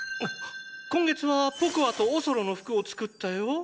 今月はポコアとおそろの服を作ったよ！